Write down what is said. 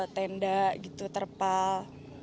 tenda gitu terpal